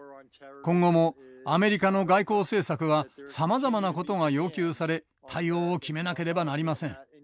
今後もアメリカの外交政策はさまざまなことが要求され対応を決めなければなりません。